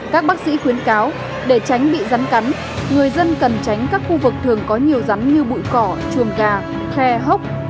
các bác sĩ khuyến cáo để tránh bị rắn cắn người dân cần tránh các khu vực thường có nhiều rắn như bụi cỏ chuồng cà khe hốc